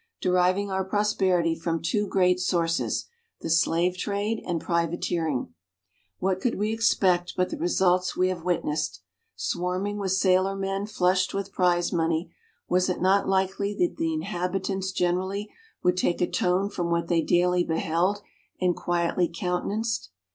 deriving our prosperity from two great sources the slave trade and privateering. What could we expect but the results we have witnessed? Swarming with sailor men flushed with prize money, was it not likely that the inhabitants generally would take a tone from what they daily beheld and quietly countenanced?